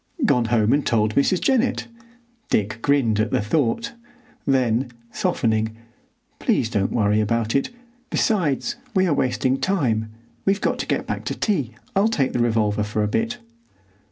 "Gone home and told Mrs. Jennett." Dick grinned at the thought; then, softening, "Please don't worry about it. Besides, we are wasting time. We've got to get back to tea. I'll take the revolver for a bit."